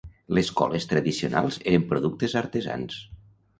Les coles tradicionals eren productes artesans.